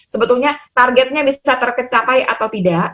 sebetulnya targetnya bisa tercapai atau tidak